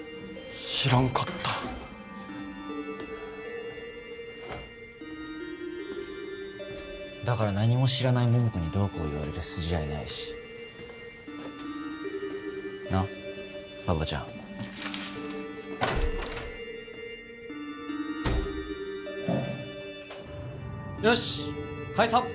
知らんかっただから何も知らない桃子にどうこう言われる筋合いないしなっ馬場ちゃんよし解散